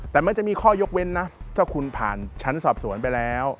แต่มันจะมีข้อยกเว้นนะถ้าคุณผ่านชั้นสอบสวนไปแล้ว